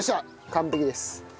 完璧です。